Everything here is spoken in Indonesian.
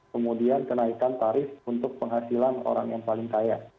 kemudian kenaikan tarif untuk penghasilan orang yang paling kaya